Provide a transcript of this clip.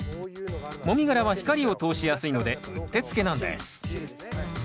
もみ殻は光を通しやすいのでうってつけなんです。